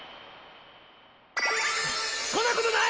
そんなことない！！